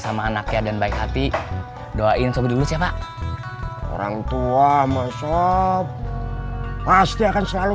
sama anaknya dan baik hati doain sobri dulu siapak orang tua mas sob pasti akan selalu